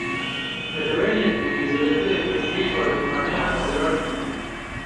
Neteweyên Yekbûyî Zêdetirê pêncî îbadetxaneyan zirar dîtin.